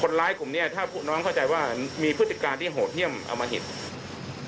คนร้ายกลุ่มนี้ถ้าพวกน้องเข้าใจว่ามีพฤติการที่โหเที่ยมเอามาหิด